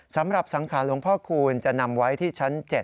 สังขารหลวงพ่อคูณจะนำไว้ที่ชั้น๗